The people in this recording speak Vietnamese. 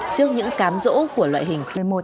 trước những cám dỗ của loại hình